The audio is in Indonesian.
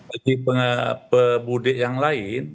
jadi pemudi yang lain